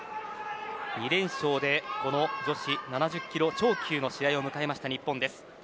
２連勝でこの女子７０キロ超級の試合を迎えた日本です。